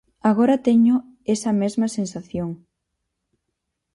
Agora teño esa mesma sensación.